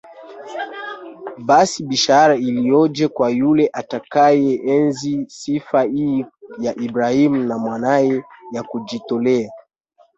Basi bishara iliyoje kwa yule atakayeenzi sifa hii ya Ibrahim na Mwanaye ya kujitolea